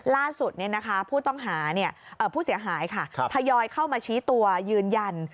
ล่าสุดผู้เสียหายพยอยเข้ามาชี้ตัวยืนยัน